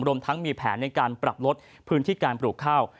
รวมทั้งมีแผนในการปรับลดพื้นที่การปลูกข้าว